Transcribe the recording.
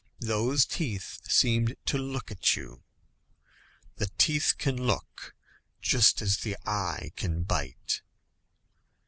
Those teeth seemed to look at you. The teeth can look, just as the eye can bite.